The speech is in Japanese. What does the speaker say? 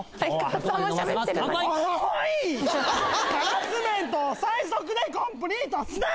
ハラスメントを最速でコンプリートすな！